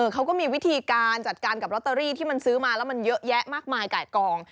เขาก็มีวิธีการจัดการกับลอตเตอรี่ที่มันซื้อมาแล้วมันเยอะแยะมากมายไก่กอง